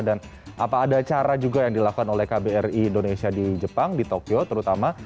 dan apa ada cara juga yang dilakukan oleh kbri indonesia di jepang di tokyo terutama